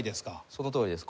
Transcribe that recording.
そのとおりです。